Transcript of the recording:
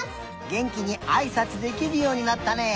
げんきにあいさつできるようになったね！